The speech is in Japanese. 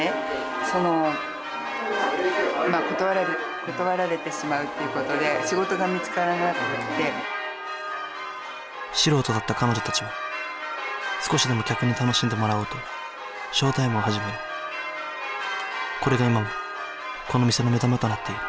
その断られてしまうっていうことで仕事が見つからなくって素人だった彼女達は少しでも客に楽しんでもらおうとショータイムを始めるこれが今もこの店の目玉となっている